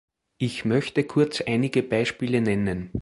Ich möchte kurz einige Beispiele nennen.